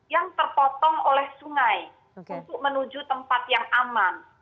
yang terpotong oleh sungai untuk menuju tempat yang aman